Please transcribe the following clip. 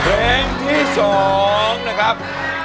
เพลงที่๒นะครับ